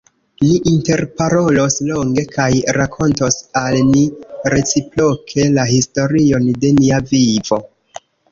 Ni interparolos longe kaj rakontos al ni reciproke la historion de nia vivo.